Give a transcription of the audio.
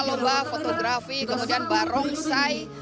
lomba fotografi kemudian barongsai